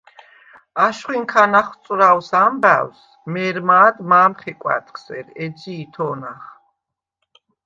აშხუ̂ინ ქა ნახსწუ̂რაუ̂ს ამბა̈უ̂ს, მე̄რმა̄დ მა̄მ ხეკუ̂ა̈დხ სერ, ეჯჟი ითო̄ნახ.